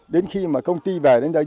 đến khi mà công ty về đến đây